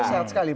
itu sehat sekali